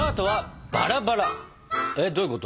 えっどういうこと？